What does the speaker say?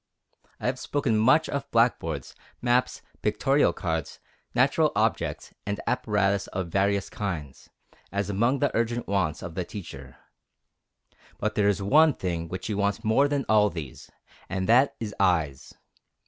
I have spoken much of blackboards, maps, pictorial cards, natural objects, and apparatus of various kinds, as among the urgent wants of the teacher. But there is one thing which he wants more than all these, and that is EYES.